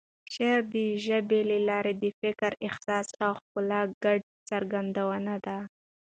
شاعري د ژبې له لارې د فکر، احساس او ښکلا ګډه څرګندونه ده.